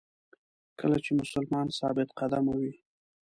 کله چې مسلمان ثابت قدمه وي.